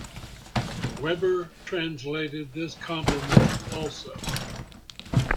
Weber translated this compliment also.